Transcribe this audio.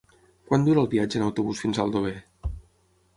Quant dura el viatge en autobús fins a Aldover?